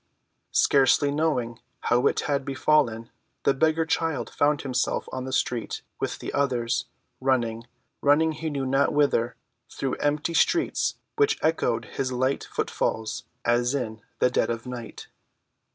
Scarcely knowing how it had befallen, the beggar child found himself on the street with the others, running—running he knew not whither, through empty streets which echoed his light footfalls as in the dead of night.